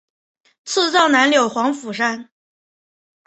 赐葬南柳黄府山。